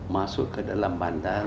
masuk ke dalam bandar